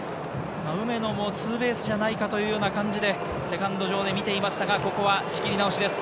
梅野もツーベースじゃないかというような感じでセカンド上で見ていましたが、ここは仕切り直しです。